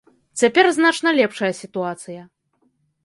Цяпер значна лепшая сітуацыя.